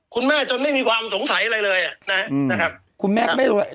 คุณแม่จนไม่มีความสงสัยอะไรเลย